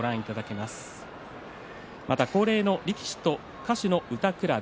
また、恒例の力士と歌手の歌くらべ。